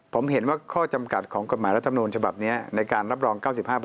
ผมเห็นว่าข้อจำกัดของกฎหมายรัฐมนูญฉบับนี้ในการรับรอง๙๕